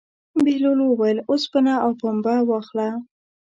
بهلول وویل: اوسپنه او پنبه واخله.